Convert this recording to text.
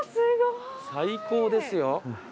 最高ですよ。